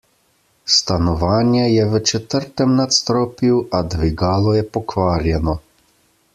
Stanovanje je v četrtem nadstropju, a dvigalo je pokvarjeno...